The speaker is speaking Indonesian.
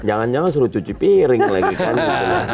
jangan jangan suruh cuci piring lagi kan